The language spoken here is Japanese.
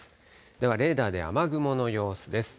では、レーダーで雨雲の様子です。